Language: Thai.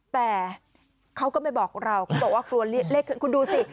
แต่เขาก็ไม่บอกเราก็บอกว่าลูกคุณดูสิ